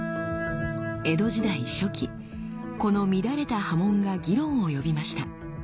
江戸時代初期この乱れた刃文が議論を呼びました。